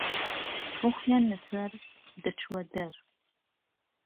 ڕوحيان له سهر دهچوه دهر